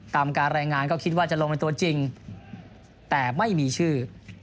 ตามการรายงานก็คิดว่าจะลงเป็นตัวจริงแต่ไม่มีชื่อ